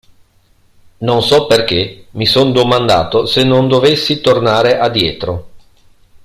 Non so perché mi son domandato se non dovessi tornare a dietro.